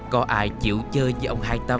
có ai chịu chơi với ông hai tâm